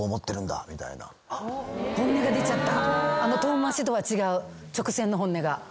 本音が出ちゃった。